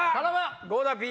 合田Ｐ